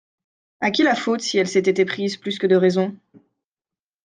A qui la faute si elle s'était éprise plus que de raison?